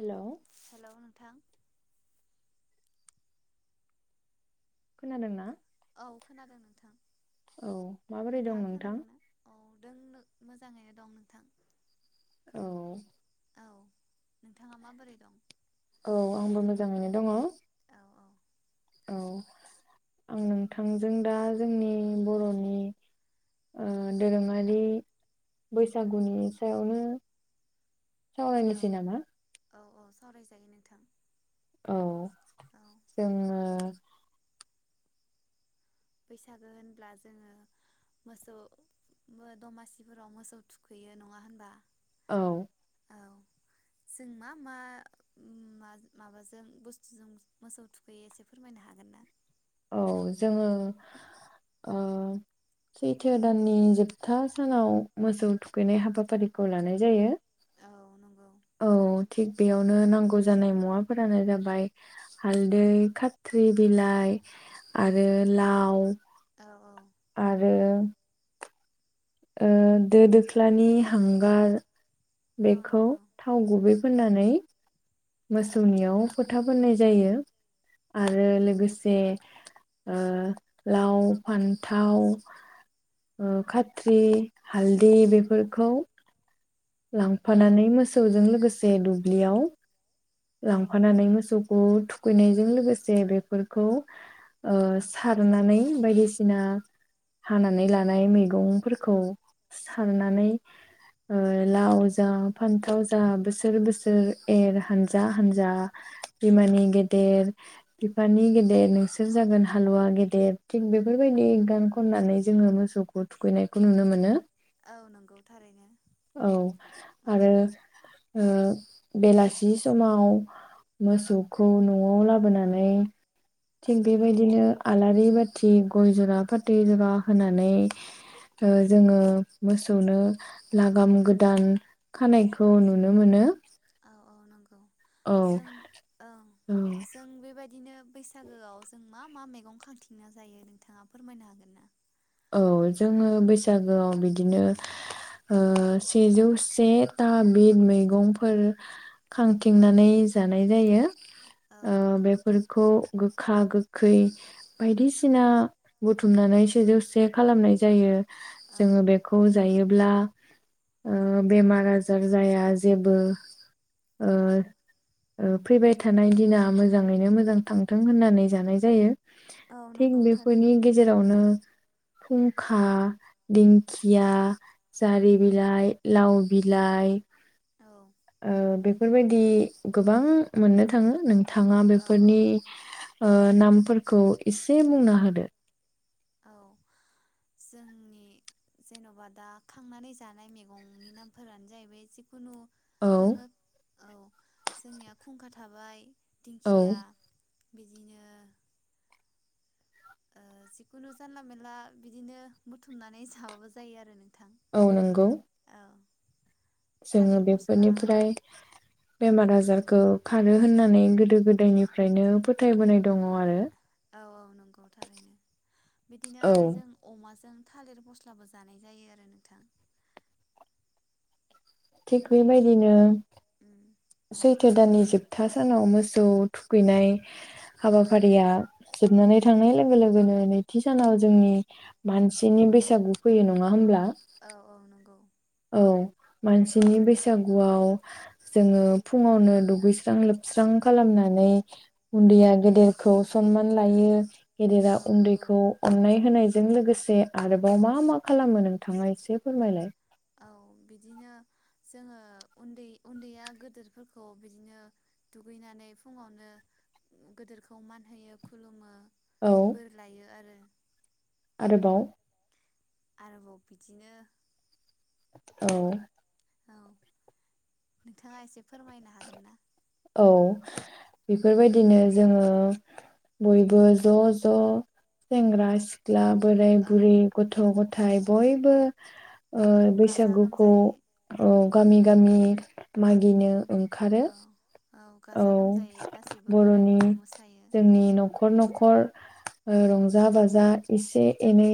Hello hello नोंथां। खोनादोंना? औ खोनादों नोंथां औ माबोरै दं नोंथाङा नोंथां खोनादोंना औ नों मोजाङैनो दं नोंथां। औ औ नोंथाङा माबोरै दं औ आंबो मोजाङैनो दङ औ औ औ आं नोंथांजों दा जोंनि बर'नि औ दोरोङारि बैसागुनि सायावनो औ सावरायनोसै नामा औ औ सावरायजायो नोंथां औ औ जोङो बैसागो होनब्ला जोङो मोसौ दमासिफोराव मोसौ थुखैयो नङा होनबा औ औ जों मा मा मा माबाजों बुस्थुजों मोसौ थुखैयो एसे फोरमायनो हागोन ना औ जोङो ओ सैथो दाननि जोबथा सानाव मोसौ थुखैनाय हाबाफारिखौ लानाय जायो औ नंगौ औ थिग बेयावनो नांगौ जानाय मुवाफोरानो जाबाय हालदै खाथ्रि बिलाइ आरो लाव औ औ आरो दो दोख्लानि हांगार औ बेखौ नंगौ थाव गुबै फोननानै औ मोसौनियाव फोथा फोननाय जायो औ आरो नंगौ लोगोसे लाव फान्थाव खाथ्रि हालदै बेफोरखौ। औ लांफानानै मोसौजों लोगोसे दुब्लियाव औ लांफानानै नंगौ मोसौखौ थु खैनायजों लोगोसे बेफोरखौ सारनानै बायदिसिना हानानै लानाय मैगंफोरखौ सारनानै लाव जा फान्थाव जा बोसोर बोसोर एर हान हानजा हान्जा बिमानि गेदेर बिफानि गेदेर नोंसोर जागोन हालुवा गेदेर थिग बेफोरबायदि गान खननानै जोङो मोसौखौ थुखैनायखौ नुनो मोनो औ नंगौ थारैनो औ औ आरो ओ बेलासि समाव मोसौखौ न'आव लाबोनानै थिग औ बेबायदिनो आलारि बा थि गय जरा फाथै जरा होनानै जोङो मोसौनो लागाम गोदान खानायखौ नुनो मोनो औ औ नंगौ औ जों ओं औ जों बेबायदिनो बैसागोआव जों मा मा मैगं खांथिंना जायो नोंथाङा फोरमायनो हागोन ना औ जोङो बैसागोआव बिदिनो सेजौ सेथा बिद मैगंफोर खांथिंनानै जानाय जायो। ओ औ नंगौ बेफोरखौ गोखा गोखै बायदिसिना बुथुमनानैसो जौ जे खालामनाय जायो औ जोङो बेखौ जायो ब्ला ओ बेमार आजार जाया जेबो औ ओ फैबाय थानाय दिना मोजाङैनो मोजां थांथों होननानै जानाय जायो औ थिग नंगौ थारैनो बेफोरनि गेजेरावनो फुंखा दिंखिया जारि बिलाइ लाव बिलाइ औ ओ बेफोरबायदि गोबां मोननो थाङो नों थाङा औ औ बेफोरनि औ नामफोरखौ इसे बुंना होदो औ जोंनि जेन'बा दा खांनानै जानाय मैगंनि नामफोरानो जाहैबाय खुनु औ नोङो औ जोंनिया खुंखा थाबाय औ दिंखिया बिदिनो ओ जिखुनु जानला मानला बिदिनो बुथुमनानै जाबाबो जायो आरो नोंथां औ नंगौ औ जोङो थालिर फस्ला औ बेफोरनिफ्राय बेमार आजार खारो होननानै गोदो गोदायनिफ्रायनो फोथायबोनाय दङ आरो औ औ नंगौ थारैनो बिदिनो औ आरो जों अमाजों थालिर मस्लाबो जानाय जायो आरो नोंथां थिग बेबायदिनो ओम सैथो दाननि जोबथा सानाव मोसौ थुखैनाय हाबाफारिया जोबनानै थांनाय लोगो लोगोनो नैथि सानाव जोंनि मानसिनि बैसागु फैयो नङा होमब्ला औ औ नंगौ औ मानसिनि बैसागुआव जोङो फुङावनो दुगैस्रां लोबस्रां खालामनानै औ उन्दैया गेदेरखौ सनमान लायो गेदेरा औ नंगौ उन्दैखौ अननाय होनाय बेजों लोगोसे आरोबाव मा मा खालामो नोंथाङा एसे फोरमायलाय औ बिदिनो जोङो उन्दै उन्दैया गोदोरफोरखौ बिदिनो दुगैनानै फुङावनो गोदोरखौ मानहोयो खुलुमो औ बोर लायो आरो आरोबाव आरोबाव बिदिनो औ औ नोंथाङा एसे फोरमायनो हागोन ना? औ बेफोरबायदिनो जोङो बयबो ज' ज' सेंग्रा सिख्ला सिख्ला बोराइ औ बुरि गथ' गथ' नाथाय बयबो ओ औ गाजा बैसागुखौ गोमजायै औ गामि गामि मागिनो ओंखारो औ औ गाजा गोमजायै गासिबो बोराय बर'नि बुरै मोसायो जोंनि न'खर न'खर ओ रंजा बाजा एसे एनै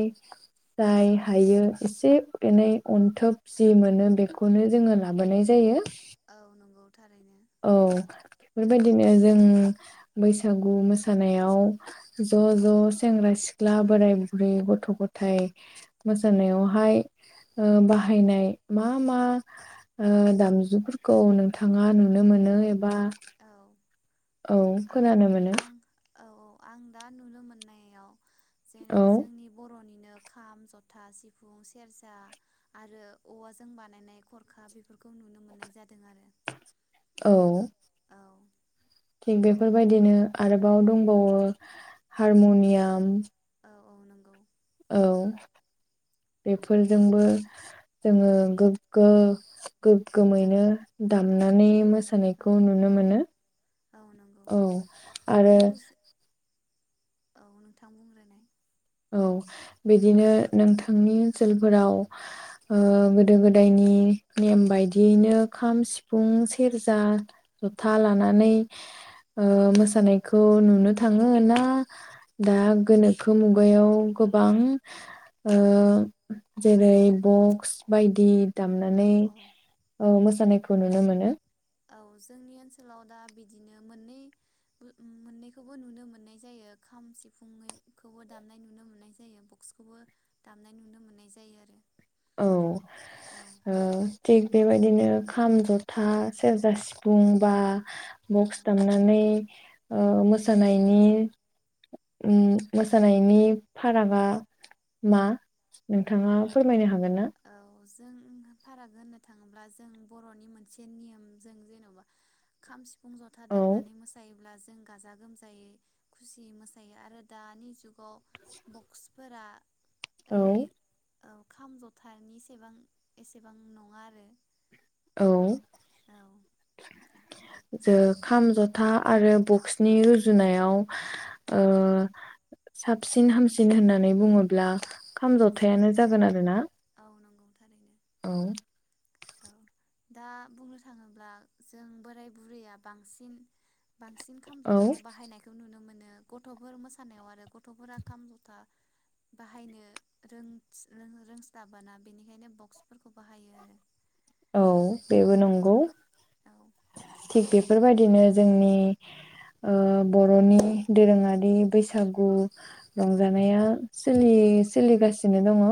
जाय हायो एसे एनै अनथोब जि मोनो बेखौनो जोङो लाबोनाय जायो औ नंगौ थारैनो औ औ बेफोरबायदिनो जों बैसागु मोसानायाव ज' ज' सेंग्रा सिख्ला बोराय बुरै गथ' गथाइ मोसानायावहाय ओ बाहायनाय मा मा दामजुफोरखौ नोंथाङा नु नुनो मोनो एबा औ औ आं खोनानो मोनो आं औ औ आं दा नुनो मोननायाव। औ ज जोंनि बर'नि बिदिनो खाम जथा सिफुं सेरजा आरो औवाजों बानायनाय खरखा बेफोरखौ नुनो मोननाय जादों आरो औ। औ थिग बेफोरबायदिनो आरोबाव दंबावो औ हारमनियाम, औ औ नंगौ औ बेफोरजोंबो जोङो गोग्गो दा गोग्गोमैनो औ दामनानै औ मोसानायखौ नुनो औ मोनो औ नंगौ औ आरो बिदिनो औ नोंथां बुंग्रोनाय। औ बिदिनो नोंथांनि ओनसोलफोराव ओ गोदो गोदायनि नेम बायदियैनो खाम सिफुं सेरजा जथा लानानै ओ मोसानायखौ नुनो थाङो ना दा गोनोखो मुग मुगायाव गोबां ओ जेरै बक्स बायदि औ दामनानै औ ओ मोसानायखौ नुनो मोनो? औ जोंनि ओनसोलाव दा बिदिनो मोननै मोननैखौबो नुनो मोननाय जायो खाम सिफुंखौबो दामनाय नुनो मोननाय जायो बक्सखौबो दामनाय नुनो मोननाय जायो आरो। औ औ ओ थिग बेबायदिनो खाम जथा सेरजा सिफुं बा औ बग्स दामनानै ओ मोसानायनि उम मोसानायनि फारागा मा नोंथाङा खमायनो हागोन ना? औ जों फाराग होननो थाङोब्ला जों बर'नि मोनसे नियमजों जेन'बा खाम सिफुं जथा औ दामनानै मोसायोब्ला जों गाजा गोमजायै खुसियै मोसायो आरो दानि जुग वाव बक्सफोरा ओरै औ औ खाम जथ थारानिसेबां एसेबां नङा आरो औ। औ जे खाम जथा आरो बक्सनि रुजुनायाव ओ साबसिन हामसिन होननानै बुङोब्ला खाम जोंनि जथायानो औ जागोन आरोना? औ नंगौ थारैनो औ। औ दा बुंनो थाङोब्ला जों बोराय बुरैया बांसिन। बांसिन खाम औ जथाखौ बाहायनायखौ नुनो मोनो। गथ'फोर मोसानायाव आरो गथ'फोरा खाम जथा बाहायनो रोंस्लाबाना बेनिखायनो बक्सफोरखौ बाहायो आरो। औ बेबो नंगौ औ थिग बेफोरबायदिनो जोंनि ओ बर'नि दोरोङारि बैसागु रंजानायालि सोलिगासिनो दङ।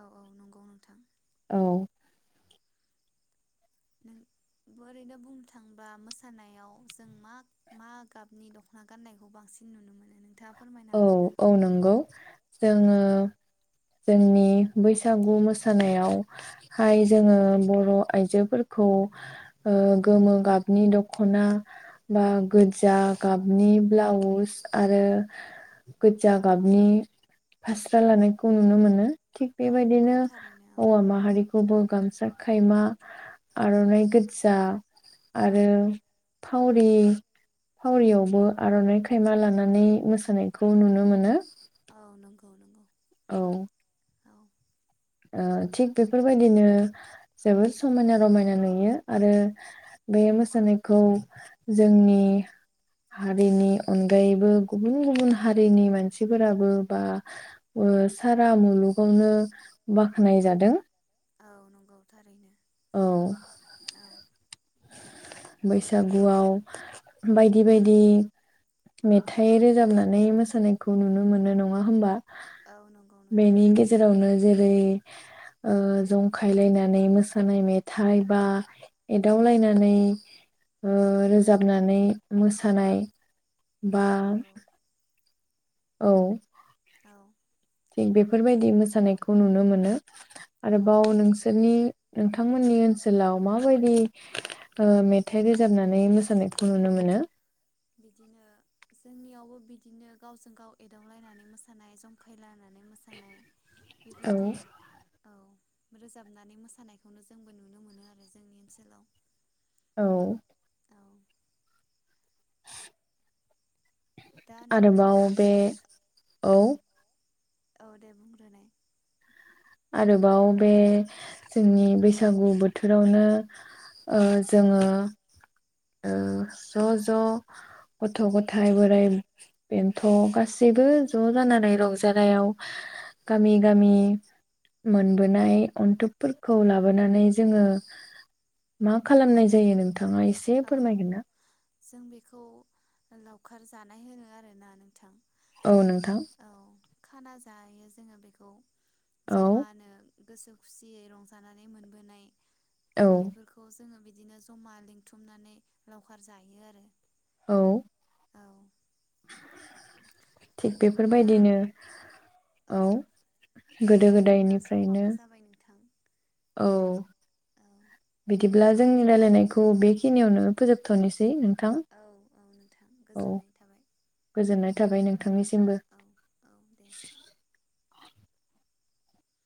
औ औ नंगौ नोंथां। औ। नों ओरैनो बुंनो थांब्ला मोसानायाव जों मा मा गाबनि दख'ना गाननायखौ बांसिन नुनो मोनो नोंथाङा फोरमायनो औ हागोन ना औ नंगौ औ जोङो जोंनि बैसागु मोसानायावहाय जोङो बर' आइजोफोरखौ ओ गोमो गाबनि दख'ना बा गोजा गाबनि ब्लाउस आरो गोजा गाबनि फास्रा लानायखौ नुनो मोनो। थिग औ नंगौ बेबायदिनो थारैनो औ ओ माहारिखौबो गाम जा खायमा आर'नाइ गोदजा औ आरो फावरि फावरियावबो आर'नाइ खायमा लानानै मोसा नायखौ नुनो मोनो। औ नंगौ नंगौ औ। औ ओ थिग बेफोरबायदिनो जोबोद समायना रमायना नुयो आरो बे मोसानायखौ जोंनि हारिनि अनगायैबो गुबुन गुबुन हारिनि मानसिफोराबो बा ओ सारा मुलुगावनो बाख्नाय जादों। औ नंगौ थारैनो। औ। औ बैसागुआव बायदि बायदि मेथाइ रोजाबनानै मोसानायखौ नुनो मोनो नङा होमबा? औ नंगौ नोंथां बेनि गेजेरावनो जेरै ओ जंखायलायनानै मोसानाय मेथाइ बा एदावलायनानै ओ औ रोजाबनानै मोसा नाय औ बा नंगौ औ। औ थिग बेफोरबायदि मोसानायखौ नुनो मोनो औ आरोबाव नंगौ नोंसोरनि नोंथांमोननि ओनसोलाव माबायदि ओ मेथाइ रोजाबनानै मोसानायखौ नुनो मोनो? बिदिनो जोंनियावबो बिदिनो गावजों गाव एदावलायनानै मोसानाय, जंखायलायानानै मोसानाय बेफोरदि औ औ रोजाबनानै मोसानायखौनो जोंबो नुनो मोनो आरो जोंनि ओनसोलाव। औ। औ दा आरोबाव नोंथाङा बे औ औ दे बुंग्रोनाय। आरोबाव बे जोंनि बैसागु बोथोरावनो ओ जोङो ओ ज' ज' गथ' गथाइ बोराइ बेन्थ' गासैबो ज' जानानै रंजानायाव गामि गामि मोनबोनाय अन्थुबफोरखौ लाबोनानै जोङो मा खालामनाय जायो नोंथाङा एसे औ फोरमायगोन ना? जों बेखौ लावखार जानाय होनो आरोना नोंथां। औ नोंथां। औ खाना जायो जोङो बेखौ औ जमानो गोसो खुसियै रंजानानै मोनबोनाय औ बेफोरखौ जोङो बिदिनो ज'मा लिंथुमनानै लावखार जायो आरो औ। औ थिग दा बेफोरबायदिनो औ गोदो दा जोंना गोदायनिफ्रायनो समाबो जाबाय नोंथां औ औ बिदिब्ला जोंनि रायलायनायखौ बेखिनियावनो फोजोबथ'नोसै नों औ औ नोंथां गोजोननाय थाबाय। गोजोननाय थाबाय नोंथांनिसिमबो। औ औ दे